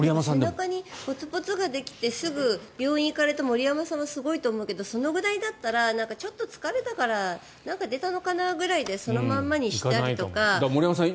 背中にポツポツが出てすぐに病院行かれた森山さんもすごいと思うけどそれぐらいだったらちょっと疲れたからなんか出たのかなぐらいでだから、森山さん